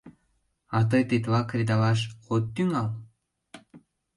— А тый тетла кредалаш от тӱҥал?